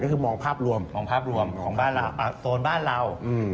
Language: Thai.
เหรอมองภาพรวมสตร์บ้านเรา